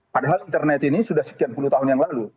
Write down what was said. padahal internet ini sudah sekian puluh tahun yang lalu